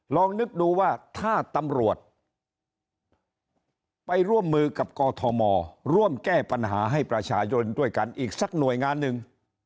ลองนึกดูว่าถ้าตำรวจไปร่วมมือกับกอทมร่วมแก้ปัญหาให้ประชาชนด้วยกันอีกสักหน่วยงานหนึ่ง